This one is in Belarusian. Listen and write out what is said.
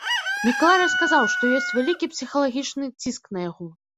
Мікалай расказаў, што ёсць вялікі псіхалагічны ціск на яго.